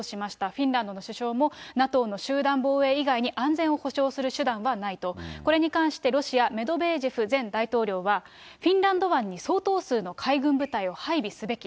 フィンランドの首相も、ＮＡＴＯの集団防衛以外に、安全を保証する手段はないと、これに関して、ロシア、メドベージェフ前大統領は、フィンランド湾に相当数の海軍部隊を配備すべき。